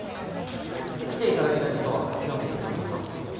来ていただけないことは極めて遺憾ですが。